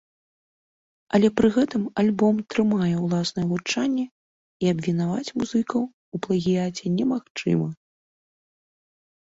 Але пры гэтым альбом трымае ўласнае гучанне і абвінаваць музыкаў у плагіяце немагчыма.